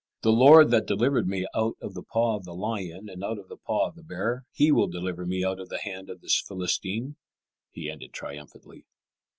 "The Lord that delivered me out of the paw of the lion and out of the paw of the bear, He will deliver me out of the hand of this Philistine," he ended triumphantly.